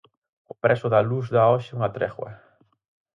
O prezo da luz dá hoxe unha tregua.